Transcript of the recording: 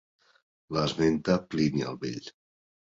L'esmenta Plini el Vell.